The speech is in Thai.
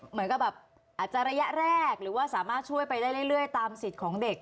เหมือนกับแบบอาจจะระยะแรกหรือว่าสามารถช่วยไปได้เรื่อยตามสิทธิ์ของเด็ก